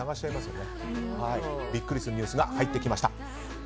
ビックリするニュースが入ってきました。